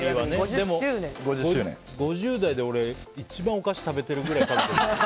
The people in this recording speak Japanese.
でも、５０代で俺、一番お菓子食べてるぐらい食べてる。